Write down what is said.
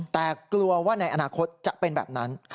แต่กลัวว่าในอนาคตจะเป็นแบบนั้น